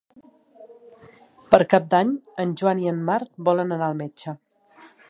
Per Cap d'Any en Joan i en Marc volen anar al metge.